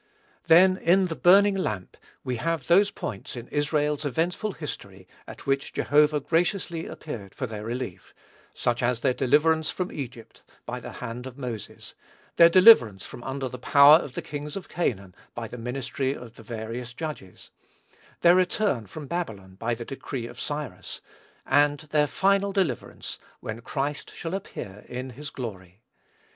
Then, in the burning lamp, we have those points in Israel's eventful history at which Jehovah graciously appeared for their relief, such as their deliverance from Egypt, by the hand of Moses; their deliverance from under the power of the kings of Canaan, by the ministry of the various judges; their return from Babylon, by the decree of Cyrus; and their final deliverance, when Christ shall appear in his glory.